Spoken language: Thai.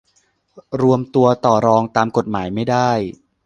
รวมตัวต่อรองตามกฎหมายไม่ได้